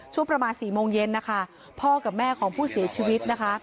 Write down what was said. ช่วงประมาณ๔โมงเย็นนะคะพ่อกับแม่ของผู้เสียชีวิตนะคะ